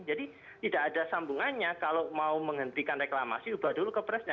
jadi tidak ada sambungannya kalau mau menghentikan reklamasi ubah dulu ke presnya